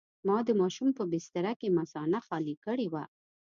ما د ماشوم په بستره کې مثانه خالي کړې وه.